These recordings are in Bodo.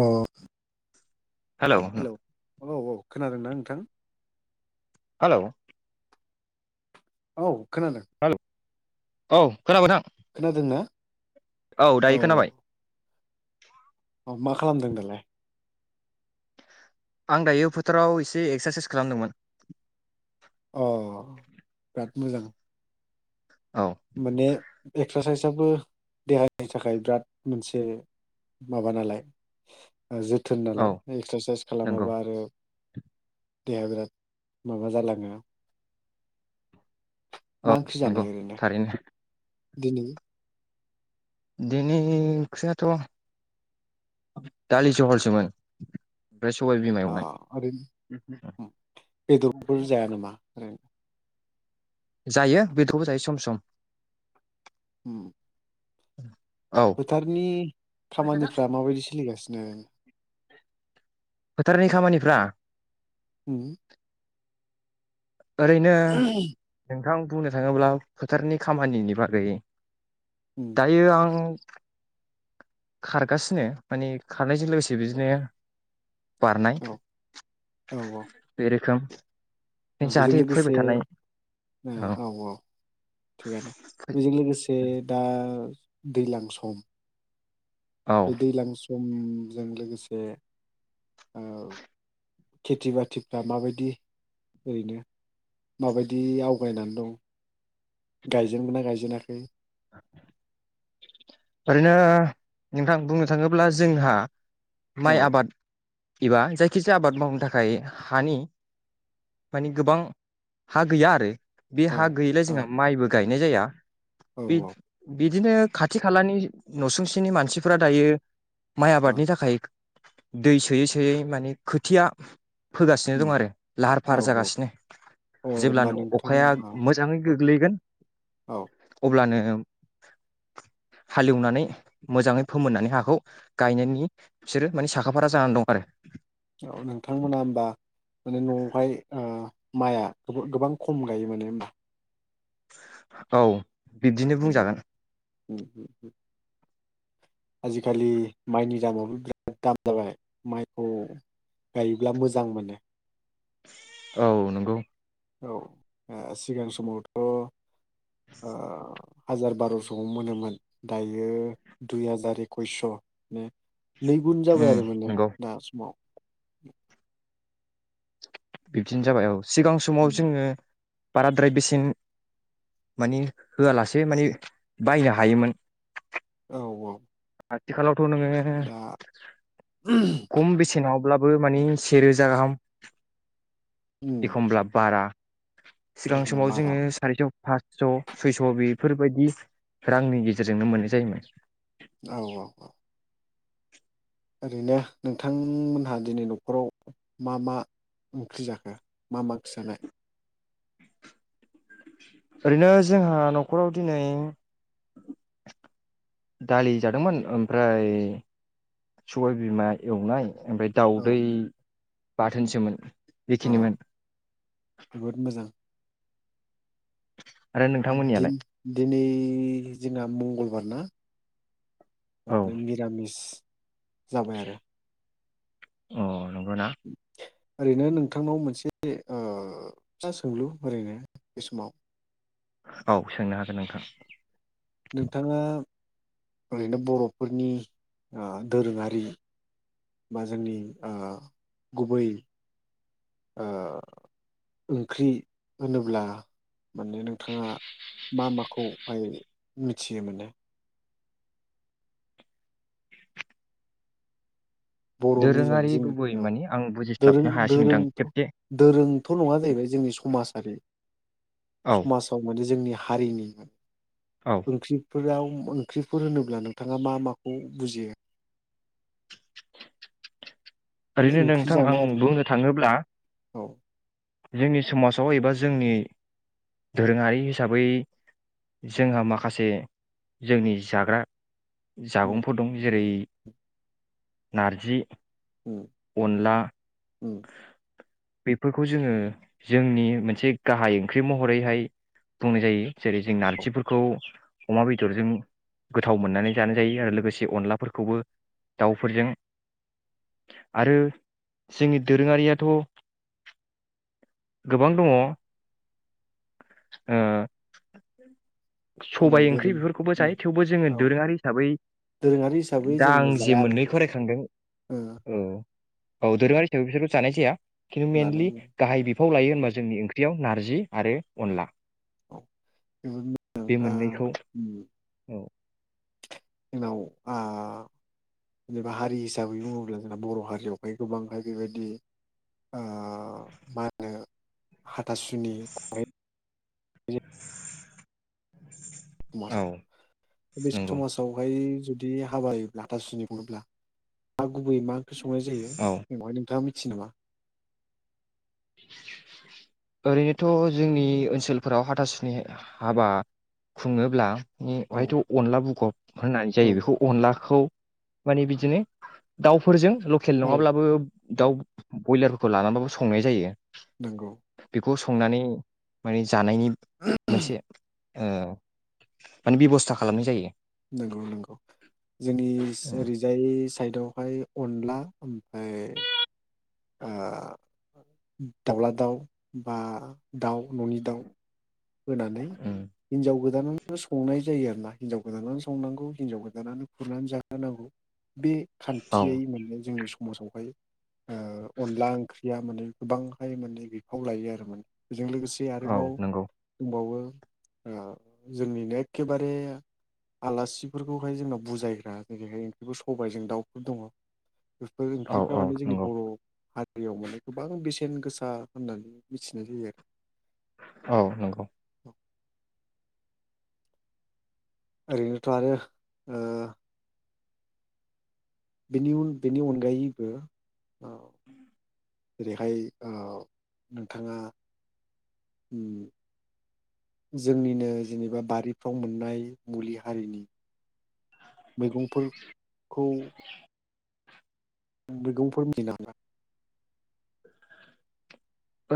अ हेलौ हेल' औ औ खोनादोंना नोंथां? हेलौ औ खोनादों। हेलौ औ खोनाबोथां खोनादोंना? औ दायो खोनाबाय। औ मा खालामदों दालाय? आं दायो फोथाराव एसे एक्सारसाइस खालामदोंमोन। अ बिराद मोजां। औ माने एक्सारसाइसआबो देहानि थाखाय बिराद मोनसे माबा नालाय। जोथोन औ लानाय एक्सारसाइस नंगौ खालामाबा आरो देहाया बिराद माबा जालाङो। औ मा ओंक्रि जादो नंगौ ओरैनो? थारैनो दिनै दिनै ओंख्रियाथ' दालि जहलसोमोन। ओमफ्राय सबाय बिमा एवनाय ओरैनो बेदरफोर जाया नामा? [unintelligible] जायो बेदरखौबो जायो सम सम। उम औ फोथारनि खामानिफ्रा माबायदि सोलिगासिनो? दे फोथारनि खामानिफ्रा उम ओरैनो नोंथां बुंनो थाङोब्ला फोथारनि खामानिनि बागै। उम दायो आं खारगासिनो माने खारनायजों लोगोसे बिदिनो बारनाय औ औ बे रोखोम औ बेजों जाहाथे फैबाय लोगोसे थानाय औ औ थिगानो बेजों लोगोसे दा दैज्लां सम औ बे दैज्लां सम सम जों लोगोसे ओ खेथि बाथिफ्रा माबायदि ओरैनो माबायदि आवगायनानै दं गायजेनगोनना गायजेनाखै? औ। ओरैनो नोंथां बुंनो थाङोब्ला जोंहा औ माइ आबाद। एबा जायखिजाया आबाद मावनो थाखाय हानि मानि गोबां हा गैया आरो। बे औ हा गैयिलाय औ जोंहा माइबो गायनाय जाया औ बिदिनो खाथि खा खाथि खालानि नसुंसेनि मानसिफोरा दायो। माइ औ आबादनि थाखाय। दै सोयै सोयै माने खोथिया फोगासिनो दं आरो लाहार फाहार औ जागासिनो अ होमबा जेब्लानो नोंथां अखाया औ मोजाङै औ गोग्लैगोन औ अब्लानो। हालेवनानै मोजाङै फोमोननानै हाखौ। गायनायनि बिसोरो मानि साखाफारा जानानै दं आरो औ नोंथांमोना होमबा माने न'आवहाय ओ माइआ गोबां खम गायो माने होमबा। औ। बिब्दिनो ओम बुंजागोन ओम ओम ओम। आजिखालि माइनि दामाबो बिराद दाम जाबाय माइखौ गायोब्ला मोजां मोनो। औ नंगौ। औ ओ सिगां समावथ'। ओ। हाजार बार'स'आवनो मोनोमोन दायो दुइ हाजार एकइसस' माने नै गुन जाबाय उम आरो माने नंगौ दा समाव बिबदिनो जाबाय औ। सिगां समाव उम, जोङो बाराद्राय बेसेन मानि होआलासे माने बायनो हायोमोन। औ औ। आथिखालाव। थ'नोङो दा खम बेसेनावब्लाबो मानि से रोजा। [unintelligible] एखमब्ला बारा सिगां एखमबा समाव बारा जोङो सारिटायाव फासस' सयस' बेफोरबायदि रांनि गेजेरजोंनो मोननाय जायोमोन। औ औ औ। ओरैनो नोंथांमोनहा दिनै न'खराव मा मा ओंख्रि जाखो मा मा खिजानाय? ओरैनो जोंहा न'खराव दिनै दालि जादोंमोन ओमफ्राय सबाय बिमा एवनाय ओमफ्राय औ दाउदै बाथोनसोमोन। अ बेखिनिमोन जोबोद मोजां आरो दिन नोंथांमोननियालाय दिनै। [unintelligible] जोंङा मंगलबारना औ मिरामिस जाबाय आरो अ। नंगौना [inaudible] ओरैनो नोंथांनाव मोनसे ओ फिसा सोंलु ओरैनो बे समाव औ सोंनो हागोन नोंथां नोंथाङा ओरैनो बर'फोरनि आ दोरोङारि बा जोंनि आ गुबै ओ ओंख्रि होनोब्ला माने नोंथाङा मा माखौहाय मिथियो माने बर'नि दोरोङारि गुबै जोंनि औ मानि आं दोरों बुजिस्लाबनो हायासै दोरों नोंथां खेबसे दोरोंथ' नङा जाहैबाय जोंनि समाजारि औ समाजाव माने जोंनि हारिनिमोन औ ओंख्रि फोराव ओंख्रिफोर होनोब्ला नोंथाङा मा माखौ बुजियो? माने ओरैनो ओंख्रि नोंथां आं जानाय आरो बुंनो थाङोब्ला। औ जोंनि समाजाव एबा जोंनि दोरोङारि हिसाबै जोंहा माखासे जोंनि जाग्रा उम जामुंफोर दं जेरै। नारजि उम अनला उम। बेफोरखौ जोङो जोंनि मोनसे गाहाय ओंख्रि महरैहाय बुंनाय जायो जेरै जों नारजिफोरखौ अमा बेदरजों गोथाव मोननानै जानाय जायो आरो लोगोसे अनलाफोरखौबो दाउफोरजों आरो जोंनि दोरोङारियाथ' गोबां दङ। जोंना सबाय ओंख्रि दोरों बेफोरखौबो उम जायो थेवबो जोङो औ दोरोङारि हिसाबै दोरोङारि हिसाबै दा जोङो आं जे जाया आरो मोननै फरायखांदों ओ औ औ दोरोङारि थे बिसोरबो जानाय जाया। खिनथु जानाय मेइेनलि जाया गाहाय बि फाव लायो होनबा जोंनि ओंख्रियाव नारजि आरो अनला औ जोङो [unintelligible] बे मोननैखौ औ। जोंनाव आ जेनेबा हारि हिसाबै बुङोब्ला जोंना बर' हारियावहाय गोबांहाय बेबायदि आ मा होनो। हाथासुनि खुंनाय [inaudible] औ समाजाव बे नंगौ समाजावहाय जुदि हाबायोब्ला हाथासुनि बुङोब्ला। गुबै मा ओंख्रि संनाय जायो औ बेयावहाय नोंथाङा मिथियो नामा? ओरैनोथ' जोंनि ओनसोलफोराव हाथासुनि हाबा खुङोब्ला औ अहायथ' अनला बुगब होननाय औ जायो बेखौ अनलाखौ माने बिदिनो दाउफोरजों लकेल औ नङाब्लाबो दाउ बयलारफोरखौ लानानैबाबो संनाय जायो नंगौ नानै माने जानायनि मोनसे ओ माने बेब'स्था खालामनाय जायो नंगौ नंगौ जोंनिस उम ओरैजाय साइदावहाय अनला ओमफाय ओ दाउला दाउ बा दाउ ननि दाउ होनानै उम हिनजाव गोदानानो संनाय जायो आरोना हिनजाव गोदानानो संनांगौ हिनजाव गोदानानो खुरनानै जाहोनांगौ बे औ खान्थियै मोननाय जोंनि समासावहाय ओ अनला ओंख्रिया माने गोबांहाय माने बिफाव लायो आरो माने बेजों लोगोसे औ आरोबाव नंगौ दंबावो ओ जोंनिनो एखेबारे आलासिफोरखौहाय जोंनाव बुजायग्रा जेरैहाय ओंख्रिफोर सबाइजों दाउफोर दङ बेफोर औ ओंख्रिफ्रा औ माने जोंनि नंगौ बर' हारि रियाव माने गोबां बेसेन गोसा होननानै मिथिनाय जायो आरो औ नंगौ ओरैनोथ' आरो ओ बेनि उन बेनि अनगायैबो ओ [inaudible] जेरैहाय ओ नोंथाङा ओ जोंनिनो जेनेबा बारिफ्राव मोननाय मुलि हारिनि मैगंफोरखौ मैगंफोर [unintelligible]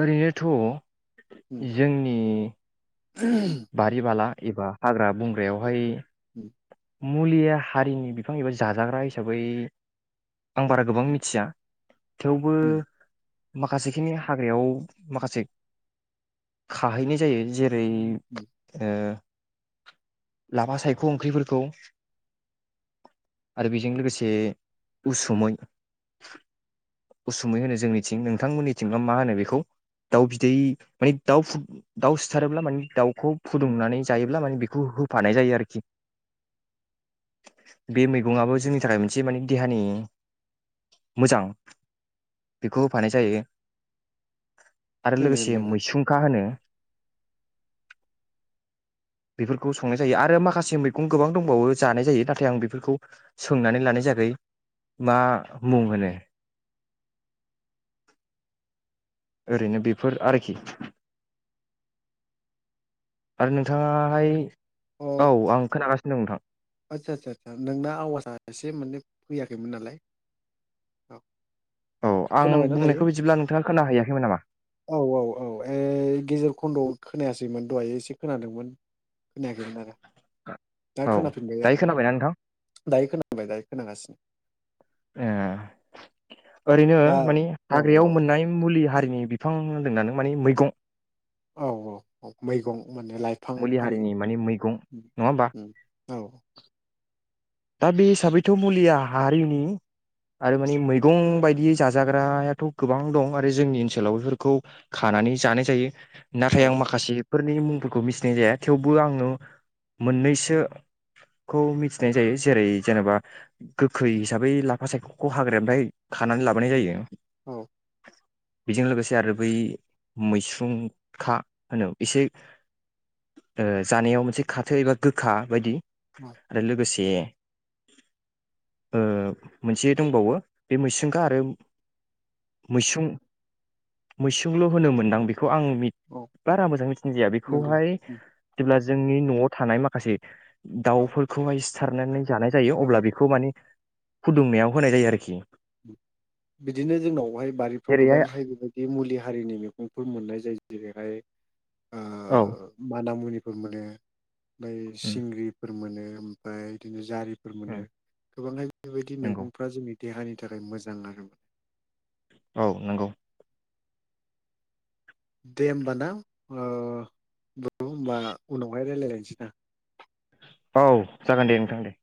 ओरैनोथ' उम जोंनि बारिबाला एबा हाग्रा बंग्रायावहाय उम मुलि हारिनि बिफां एबा जाजाग्रा हिसाबै आं बारा गोबां मिथिया थेवबो उम माखासेखिनि हाग्रायाव माखासे खाहैनाय जायो जेरै उम ओ लाफा सायख' ओंख्रिफोरखौ आरो बेजों लोगोसे उसुमै उसुमै होनो जोंनिथिं नोंथांमोननिथिंबा मा होनो बेखौ दाउ बिदै माने दाउ दाउ सिथारोब्ला माने दाउ खौ फुदुंनानै जायोब्ला मान बेखौ होफानाय जायो आरोखि बे मैगंआबो जोंनि थाखाय मोनसे माने देहानि मोजां बेखौ होफानाय जायो। आरो होनो लोगोसे होननायालाय मैसुंखा होनो बेफोरखौ संनाय जायो आरो माखासे मैगं गोबां दंबावो जानाय जायो नाथाय आं बेफोरखौ सोंनानै लानाय जायाखै मा मुं होनो? ओरैनो बेफोर आरोखि। आरो नोंथाङाहाय अ औ आं खोनागासिनो। नोंथां आदसा आदसा आदसा नोंना आवाजा एसे माने फैयाखैमोन नालाय औ औ आं खोनाबायना दायो बुंनायखौ बिदिब्ला नोंथाङा खोनाहैयाखैमोन नामा औ औ औ ए गेजेर खन्द'आव खोनायासैमोन दहाय एसे खोनादोंमोन खोनायाखैमोन आरो। दा औ दायो खोनादों। खोनाबायना नोंथां दायो खोनाबाय दायो खोनबाय। [unintelligible] [unintelligible] ओरैनो दा मानि औ हाग्रायाव मोननाय मुलि हारि नि बिफां होनदों माने मैगं औ औ औ मैगं माने लाइफां मुलि आरो हारिनि माने मैगं नङा होमबा औ। दा बे हिसाबैथ' मुलिया हारिनि आरो माने मैगं बायदि जाजाग्रायाथ' गोबां दं आरो जोंनि ओनसोलाव बेफोरखौ खानानै जानाय जायो। नाथाय औ आं माखासे फोरनि मुंफोरखौ मिथिनाय जाया थेवबो आङो मोननैसोखौ मिथिनाय जायो। जेरै जेनेबा गोखै हिसाबै लाफा सायख'खौ हाग्रानिफ्राय खानानै लाबोनाय जायो। औ बेजों लोगोसे आरो बै मैस्रुंखा होनो एसे जानायाव मोनसे खाथो एबा गोखा बायदि औ आरो लोगोसे ओ मोनसे दंबावो बे मैसुंखा आरो मैसुं मैसुंल' होनो मोनदां बेखौ आं औ बारा मोजां मिथिनाय जाया नंगौ बेखौहाय उम, जेब्ला जोंनि न' थानाय माखासे औ दाउफोरखौहाय सिथारनानै जानाय जायो अब्ला ओं। बेखौ माने फुदुंनायाव होनाय जायो आरोखि। बिदिनो जोंनावहाय बारिफ्राव जेरैहाय गोबांहाय बेबायदि मुलि हारिनि मैगंफोर मोननाय जायो। जेरैहाय ओ औ मानामुनि फोरमाने ओमफ्राय उम सिंग्रिफोर मोनो ओमफ्राय इदिनो जारि फोरा मोनो उम गोबाङै बेबायदि नंगौ मैगंफ्रा जोंनि देहानि थाखाय मोजां आरो औ नंगौ दे होनबा ना [unintelligible] होनबा उनाव हाय रायलायगोन [unintelligible] औ जागोन दे नोंथां दे